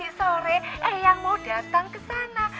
nanti sore eang mau datang kesana